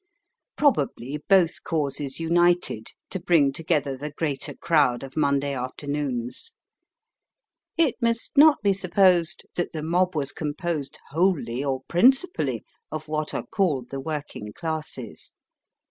Probably both causes united to bring together the greater crowd of Monday afternoons. It must not be supposed that the mob was composed wholly or principally of what are called the working classes.